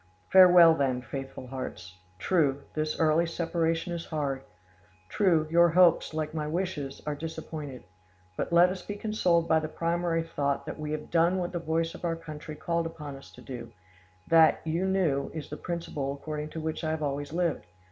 "Farewell, then, faithful hearts: true, this early separation is hard; true, your hopes, like my wishes, are disappointed; but let us be consoled by the primary thought that we have done what the voice of our country called upon us to do; that, you knew, is the principle according to which I have always lived.